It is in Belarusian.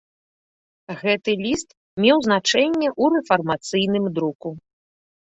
Гэты ліст меў значэнне ў рэфармацыйным друку.